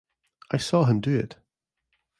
I saw him do it.